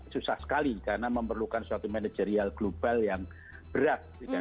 susah sekali karena memerlukan suatu manajerial global yang berat